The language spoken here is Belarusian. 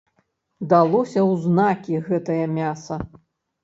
Далося ў знакі гэтае мяса!